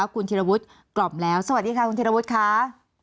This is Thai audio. คุณธิรวุฒิกล่อมแล้วสวัสดีค่ะคุณธิรวุฒิค่ะ